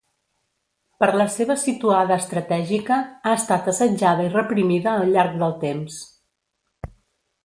Per la seva situada estratègica ha estat assetjada i reprimida al llarg del temps.